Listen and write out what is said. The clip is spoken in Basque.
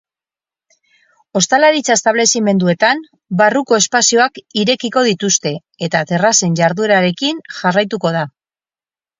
Ostalaritza-establezimenduetan, barruko espazioak irekiko dituzte, eta terrazen jarduerarekin jarraituko da.